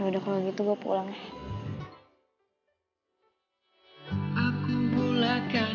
ya udah kalau gitu gue pulang ya